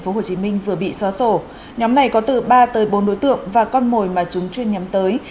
hồ chí minh vừa bị xóa sổ nhóm này có từ ba tới bốn đối tượng và con mồi mà chúng chuyên nhắm tới